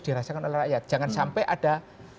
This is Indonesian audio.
dirasakan oleh rakyat jangan sampai ada